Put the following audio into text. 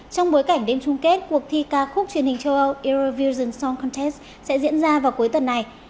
trong bối cảnh đêm chung kết cuộc thi ca khúc truyền hình châu âu eurovision song contest sẽ diễn ra vào cuối tuần này